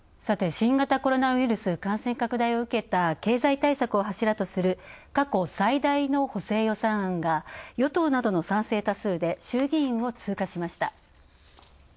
新型コロナウイルス感染拡大を受けた経済対策を柱とする過去最大の補正予算案が与党などの賛成多数で衆議院を通過しました。